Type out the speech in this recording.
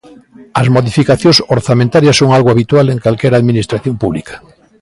As modificacións orzamentarias son algo habitual en calquera Administración pública.